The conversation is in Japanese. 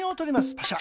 パシャ。